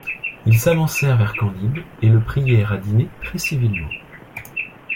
Ils s’avancèrent vers Candide et le prièrent à dîner très civilement.